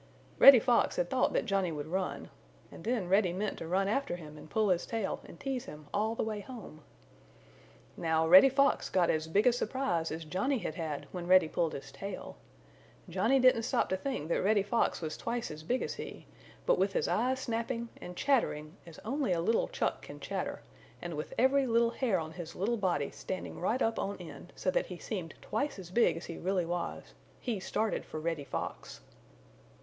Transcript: Reddy Fox had thought that Johnny would run, and then Reddy meant to run after him and pull his tail and tease him all the way home. Now, Reddy Fox got as big a surprise as Johnny had had when Reddy pulled his tail. Johnny didn't stop to think that Reddy Fox was twice as big as he, but with his eyes snapping, and chattering as only a little Chuck can chatter, with every little hair on his little body standing right up on end, so that he seemed twice as big as he really was, he started for Reddy Fox.